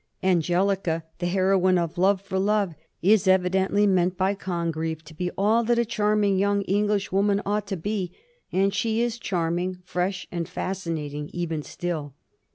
Angelica, the heroine of ' Love for Love,' is evidently meant by Congreve to be all that a charming young Englishwoman ought to be ; and she is charming, fresh, and fascinating even still.